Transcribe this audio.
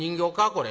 これ。